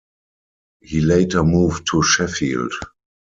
He later moved to Sheffield.